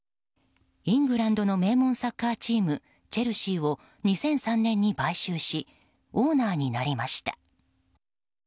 イングランドの名門サッカーチームチェルシーを２００３年に買収しオーナーになりました。